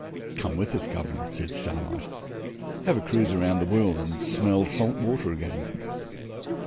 'Come with us, governor,' says Starlight, 'have a cruise round the world, and smell salt water again.